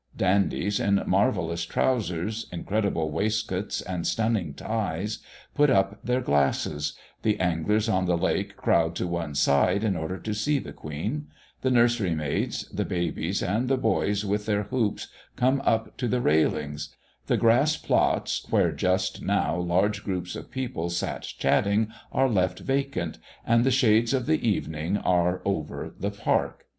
Dandies in marvellous trowsers, incredible waistcoats, and stunning ties, put up their glasses; the anglers on the lake crowd to one side in order to see the Queen; the nurserymaids, the babies, and the boys with their hoops come up to the railings; the grass plots, where just now large groups of people sat chatting, are left vacant, and the shades of the evening are over the park.